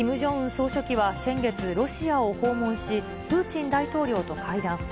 総書記は先月、ロシアを訪問し、プーチン大統領と会談。